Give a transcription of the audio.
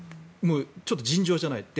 ちょっと尋常じゃない。